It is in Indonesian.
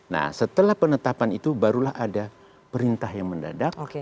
nah setelah penetapan itu barulah ada perintah yang mendadak